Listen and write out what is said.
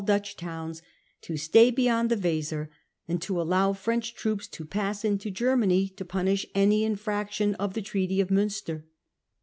Dutch towns, to stay beyond the Weser, and to allow French troops to pass into Germany to punish any infraction of the Treaty of Munster.